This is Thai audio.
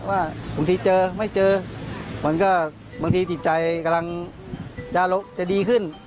บางทีเจอไม่เจอมันก็บางทีจิตใจกำลังจะดีขึ้น